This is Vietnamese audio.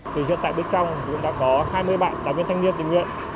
thì hiện tại bên trong chúng ta có hai mươi bạn đảng viên thanh niên tình nguyện